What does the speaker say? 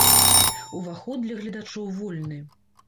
Уваход для гледачоў вольны.